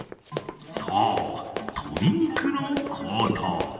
そう、鶏肉の高騰。